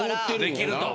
できると。